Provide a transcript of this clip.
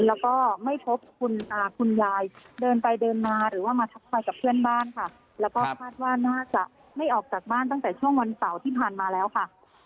แล้วก็ไม่พบคุณยายเดินไปเดินมาหรือว่ามาทักทอยกับเพื่อนบ้านค่ะแล้วก็คาดว่าน่าจะไม่ออกจากบ้านตั้งแต่ช่วงวันเสาร์ที่ผ่านมาแล้วค่ะ